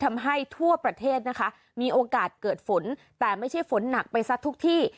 ทำให้ทั่วประเทศนะคะมีโอกาสเกิดฝนแต่ไม่ใช่ฝนหนักไปซะทุกที่